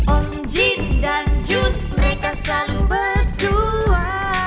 om jin dan jun mereka selalu berdua